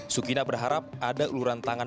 sukinah berharap ada uluran tanggung